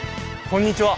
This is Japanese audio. こんにちは。